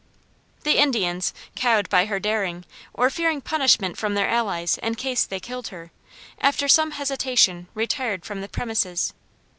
The Indians, cowed by her daring, or fearing punishment from their allies in case they killed her, after some hesitation retired from the premises.